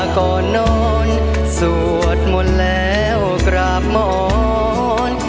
ก่อนนอนสวดมนต์แล้วกราบหมอน